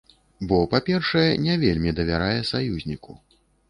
Бо, па-першае, не вельмі давярае саюзніку.